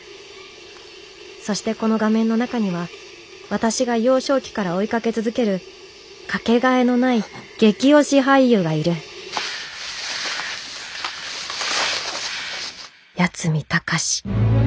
そしてこの画面の中には私が幼少期から追いかけ続ける掛けがえのない激推し俳優がいる八海崇。